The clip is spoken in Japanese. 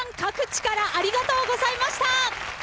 各地からありがとうございました。